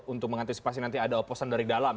untuk mengantisipasi nanti ada oposan dari dalam